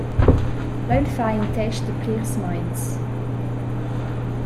Lein far in test da plirs meins.